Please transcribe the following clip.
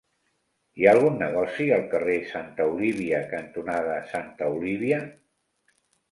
Hi ha algun negoci al carrer Santa Olívia cantonada Santa Olívia?